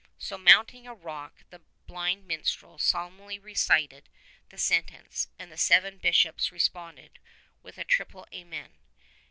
So mounting a rock the blind minstrel solemnly recited the sentence and the seven Bishops responded with a triple Amen.